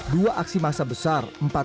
dua aksi masa besar empat sebelas